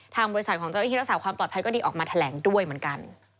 บริษัทของเจ้าหน้าที่รักษาความปลอดภัยก็ดีออกมาแถลงด้วยเหมือนกัน